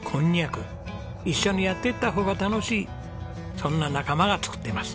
そんな仲間が作っています。